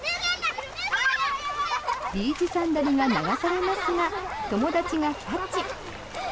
ビーチサンダルが流されますが友達がキャッチ。